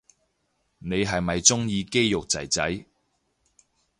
你係咪鍾意肌肉仔仔